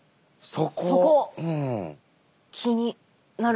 そこ。